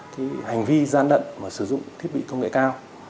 cái hành vi gia đận mà sử dụng thiết bị công nghệ cao